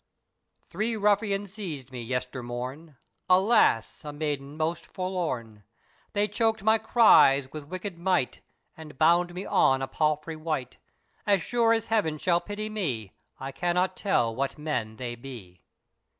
Three ruffians seized me yester morn, Alas! a maiden most forlorn; They choked my cries with wicked might, And bound me on a palfrey white: As sure as Heaven shall pity me, I cannot tell what men they be.